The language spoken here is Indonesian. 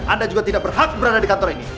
anda juga tidak berhak berada di kantor ini